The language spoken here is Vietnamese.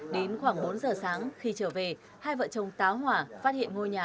đến khoảng bốn h sáng khi trở về hai vợ chồng táo hòa phát hiện ngôi nhà